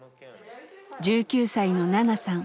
１９歳のナナさん。